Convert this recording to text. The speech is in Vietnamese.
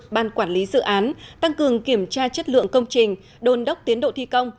ban quản lý dự án tăng cường kiểm tra chất lượng công trình đôn đốc tiến độ thi công